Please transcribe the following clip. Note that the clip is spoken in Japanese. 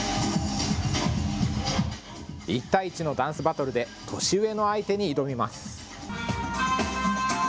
１対１のダンスバトルで、年上の相手に挑みます。